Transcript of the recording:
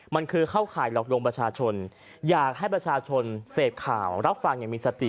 มันคือเข้าข่ายหลอกลวงประชาชนอยากให้ประชาชนเสพข่าวรับฟังอย่างมีสติ